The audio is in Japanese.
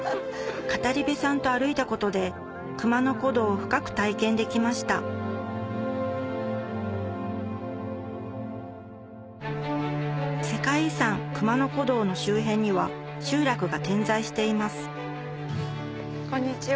語り部さんと歩いたことで熊野古道を深く体験できました世界遺産熊野古道の周辺には集落が点在していますこんにちは。